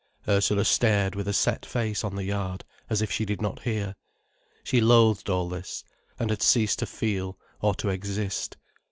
Ursula stared with a set face on the yard, as if she did not hear. She loathed all this, and had ceased to feel or to exist.